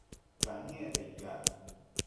Caniecta icac?